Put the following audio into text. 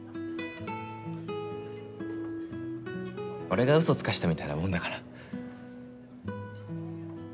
俺が嘘つかせたみたいなもんだから。